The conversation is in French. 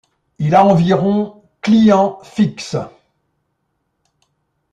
Il a environ clients fixe.